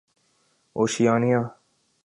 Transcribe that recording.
Oceania